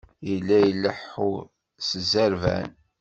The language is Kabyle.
Yella ileḥḥu s zzerban.